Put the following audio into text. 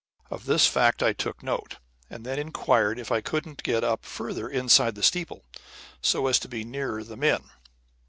Of this fact I took note, and then inquired if I couldn't get up further inside the steeple, so as to be nearer the men.